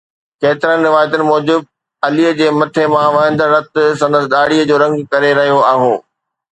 ڪيترين روايتن موجب علي جي مٿي مان وهندڙ رت سندس ڏاڙهيءَ جو رنگ ڪري رهيو هو